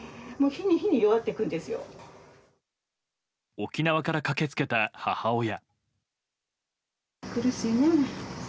沖縄から駆けつけた母親。